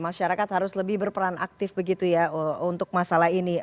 masyarakat harus lebih berperan aktif begitu ya untuk masalah ini